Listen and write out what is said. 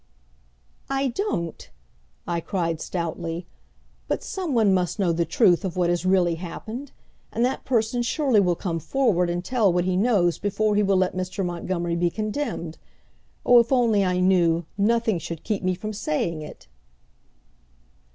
"I don't," I cried stoutly. "But some one must know the truth of what has really happened; and that person surely will come forward and tell what he knows before he will let Mr. Montgomery be condemned. Oh, if only I knew, nothing should keep me from saying it!"